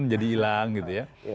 menjadi hilang gitu ya